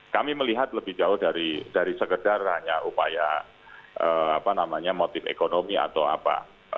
kami melihat lebih jauh dari sekedar hanya upaya motif ekonomi atau apa